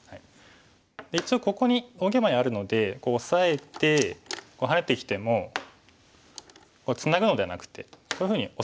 で一応ここに大ゲイマにあるのでオサえてハネてきてもツナぐのではなくてこういうふうにオサえることができますよね。